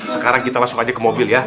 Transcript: sekarang kita langsung aja ke mobil ya